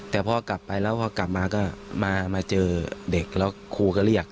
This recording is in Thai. แต่พอกลับไปแล้วพอกลับมาก็มาเจอเด็กแล้วครูก็เรียก